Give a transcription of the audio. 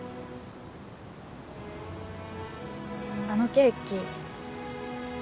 あのケーキ